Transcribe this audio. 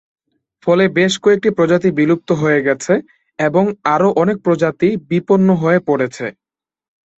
ফলে বেশ কয়েকটি প্রজাতি বিলুপ্ত হয়ে গেছে এবং আরো অনেক প্রজাতি বিপন্ন হয়ে পড়েছে।